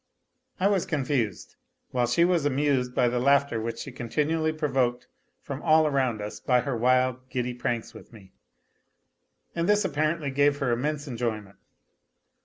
I was confused, while she was amused by the laughter which she continually provoked from all around us by her wild, giddy prinks with me, and this apparently gave her immense enjoy A LITTLE HERO 225 ment.